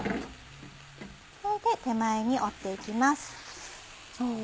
それで手前に折って行きます。